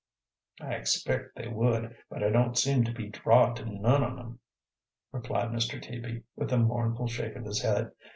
"I expect they would, but I don't seem to be drawed to none on 'em," replied Mr. Teaby, with a mournful shake of his head.